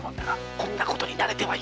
こんなことに慣れてはいけません。